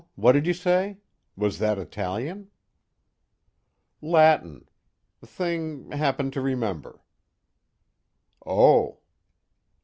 What did you say? Was that Italian?_" "Latin. Thing happened to remember." "_Oh.